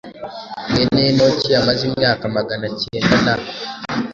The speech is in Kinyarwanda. mwene Henoki yamaze imyaka magana kenda na